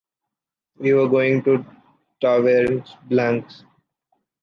We’re going to Tavernes Blanques.